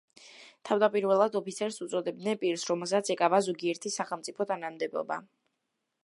თავდაპირველად ოფიცერს უწოდებდნენ პირს, რომელსაც ეკავა ზოგიერთი სახელმწიფო თანამდებობა.